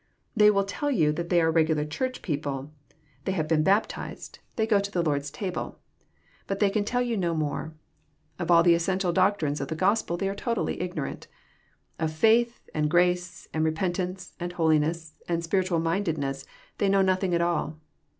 They will tell you ^* that they are regular Church people ; they no EXPOSITORY THOUGHTS. have been baptized ; they go to the Lord's table ;"— ^but thej can tell you no more. Of all the essential doctrines of the Gospel they are totally ignorant. Of faith, and grace, and repentance, and holiness, and spiritual mindedness they know nothing at all.